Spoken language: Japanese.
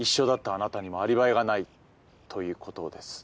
あなたにもアリバイがないということです。